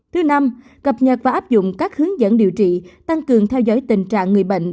thứ năm cập nhật và áp dụng các hướng dẫn điều trị tăng cường theo dõi tình trạng người bệnh